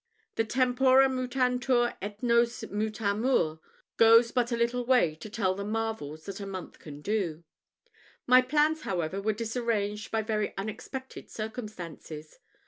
The tempora mutantur et nos mutamur goes but a little way to tell the marvels that a month can do. My plans, however, were disarranged by very unexpected circumstances.